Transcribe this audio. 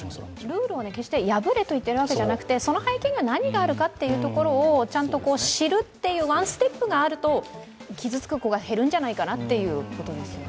ルールを決して破れと言っているわけではなくてその背景には何があるかというところをちゃんと知るというワンステップがあると、傷つく子が減るんじゃないかなということですよね。